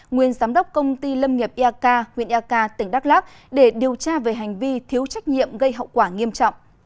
nguyên giám đốc công ty lâm nghiệp eak huyện eak tỉnh đắk lắc để điều tra về hành vi thiếu trách nhiệm gây hậu quả nghiêm trọng